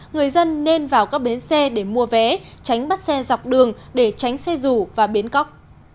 người dân nên vào các bến xe để mua vé tránh bắt xe dọc đường để tránh xe rủ và biến cóc